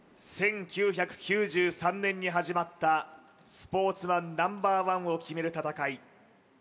１９９３年に始まったスポーツマンＮｏ．１を決める戦い